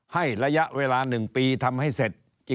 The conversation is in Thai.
ให้ระยะเวลาหนึ่งปีทำให้เสร็จ